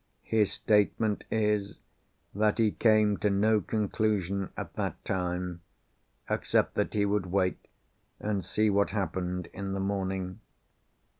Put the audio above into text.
His statement is, that he came to no conclusion, at that time—except that he would wait, and see what happened in the morning.